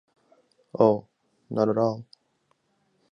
Oh! Not at all!